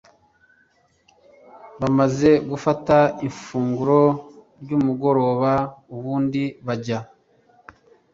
Bamaze gufata ifunguro ryumugoroba ubundi bajya